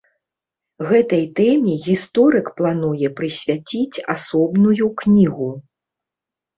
Гэтай тэме гісторык плануе прысвяціць асобную кнігу.